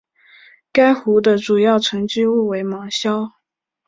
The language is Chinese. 该湖的主要沉积物为芒硝。